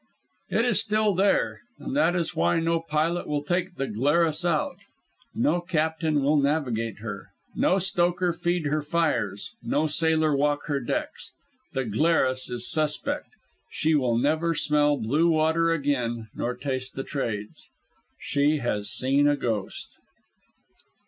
It is still there, and that is why no pilot will take the Glarus out, no captain will navigate her, no stoker feed her fires, no sailor walk her decks. The Glarus is suspect. She will never smell blue water again, nor taste the trades. She has seen a Ghost.